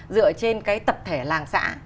dựa trên cái tập thể làng xã